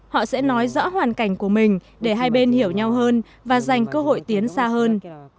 họ sẽ nói rõ hoàn cảnh của mình để hai bên hiểu nhau hơn và dành cơ hội tiến xa hơn